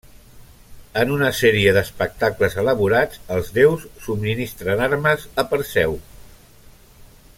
En una sèrie d’espectacles elaborats, els déus subministren armes a Perseu.